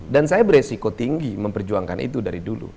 dan saya beresiko tinggi memperjuangkan itu dari dulu